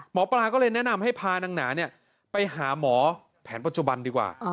หมอปลาก็เลยแนะนำให้พานางหนาไปหาหมอแผนปัจจุบันดีกว่า